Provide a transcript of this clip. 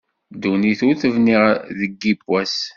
Ddunit ur tebni deg yiwen wass.